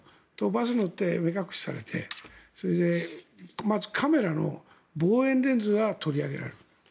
バスに乗って、目隠しされてまずカメラの望遠レンズが取り上げられる。